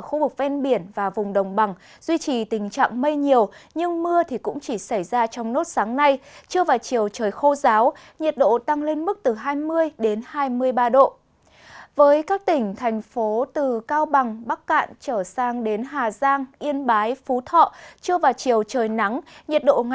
kính chào tạm biệt và hẹn gặp lại